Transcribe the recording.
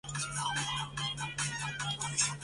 此后长期在中国科学院北京天文台从事研究。